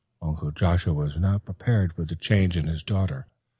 Uncle Joshua was not prepared for the change in his daughter.